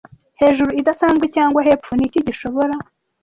hejuru idasanzwe cyangwa hepfo niki gishobora